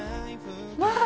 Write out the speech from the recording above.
まあ！